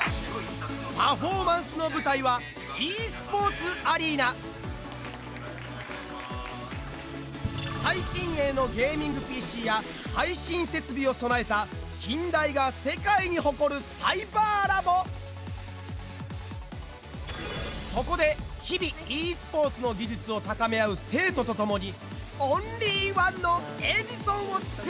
パフォーマンスの舞台は最新鋭のゲーミングＰＣや配信設備を備えた近大が世界に誇るそこで日々ｅスポーツの技術を高め合う生徒と共にオンリーワンの「エジソン」を作り上げる！